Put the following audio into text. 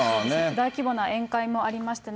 大規模な宴会がありましたね。